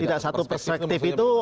tidak satu perspektif itu